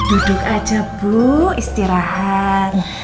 duduk aja bu istirahat